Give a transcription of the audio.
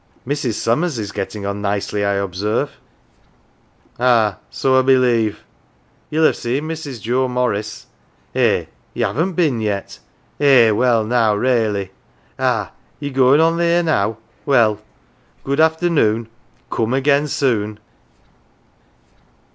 " Mrs. Summers is getting on nicely," I observe. " Ah ! so I believe " (drily). " Ye'll 'ave seen Mrs. Joe Morris. Eh ! ye haven't bin yet. Eh h h ! well now, raly ! Ah ! ye're goin' on theer now. Well, .good afternoon. Coom again soon."